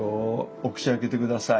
お口開けて下さい。